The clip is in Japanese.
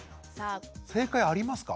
正解ありますか？